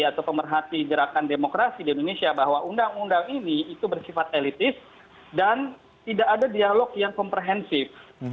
atau pemerhati gerakan demokrasi di indonesia bahwa undang undang ini itu bersifat elitis dan tidak ada dialog yang komprehensif